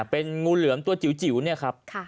เป็นงูเหลือมตัวจิ๋วเนี่ยครับ